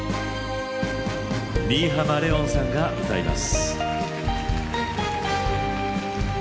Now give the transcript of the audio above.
新浜レオンさんが歌います。